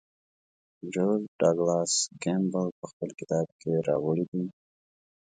جورج ډاګلاس کیمبل په خپل کتاب کې راوړی دی.